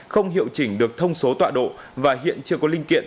không hiệu chỉnh được thông số tọa độ và hiện chưa có linh kiện